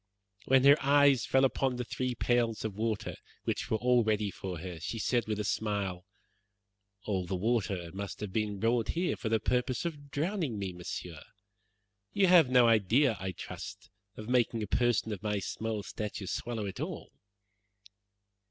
When her eyes fell upon the three pails of water, which were all ready for her, she said with a smile, "All that water must have been brought here for the purpose of drowning me, Monsieur. You have no idea, I trust, of making a person of my small stature swallow it all."'